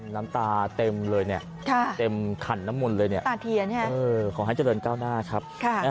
น้ำตาเต็มเลยเนี่ยเต็มขันน้ำมนต์เลยเนี่ยตาเทียนขอให้เจริญก้าวหน้าครับ